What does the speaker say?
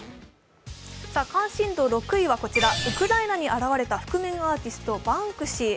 関心度６位はこちら、ウクライナに現れた覆面アーティスト・バンクシー。